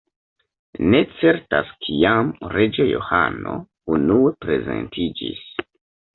Ne certas kiam "Reĝo Johano" unue prezentiĝis.